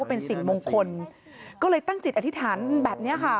เป็นสิ่งมงคลก็เลยตั้งจิตอธิษฐานแบบนี้ค่ะ